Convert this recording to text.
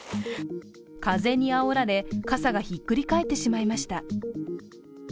風にあおられ、傘がひっくり返ってしまいました。